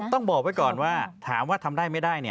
ต้องบอกไว้ก่อนว่าถามว่าทำได้ไม่ได้